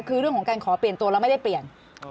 คือเรื่องของการขอเปลี่ยนตัวแล้วไม่ได้เปลี่ยน